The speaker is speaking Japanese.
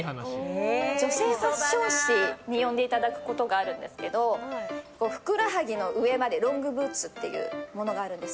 女性ファッション誌に呼んでいただくことがあるんですけどふくらはぎの上までロングブーツっていうものがあるんです。